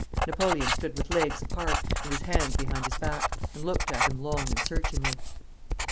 Napoleon stood with legs apart and his hands behind his back, and looked at him long and searchingly.